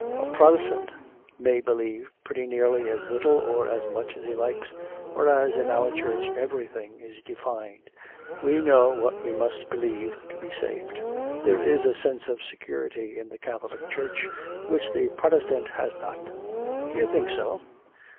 A Protestant may believe pretty nearly as little or as much as he likes, whereas in our Church everything is defined; we know what we must believe to be saved. There is a sense of security in the Catholic Church which the Protestant has not.' 'Do you think so?